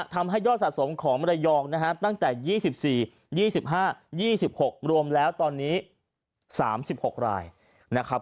ทำให้ยอดสะสมของมรยองนะครับตั้งแต่๒๔๒๕๒๖รวมแล้วตอนนี้๓๖รายนะครับ